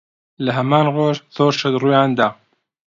لە هەمان ڕۆژ، زۆر شت ڕوویان دا.